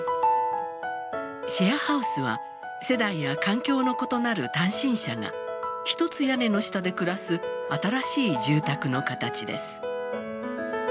シェアハウスは世代や環境の異なる単身者が一つ屋根の下で暮らす新しい住宅の形です。